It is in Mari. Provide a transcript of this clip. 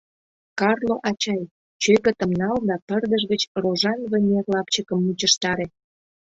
— Карло ачай, чӧгытым нал да пырдыж гыч рожан вынер лапчыкым мучыштаре.